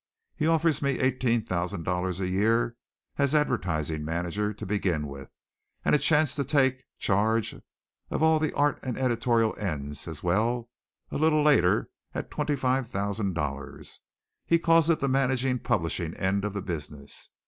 He offers me eighteen thousand dollars a year as advertising manager to begin with, and a chance to take charge of all the art and editorial ends as well a little later at twenty five thousand dollars. He calls it the managing publishing end of the business.